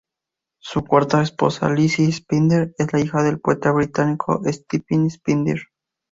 Su cuarta esposa, Lizzie Spender, es la hija del poeta británico Stephen Spender.